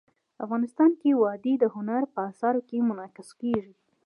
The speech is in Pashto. افغانستان کې وادي د هنر په اثار کې منعکس کېږي.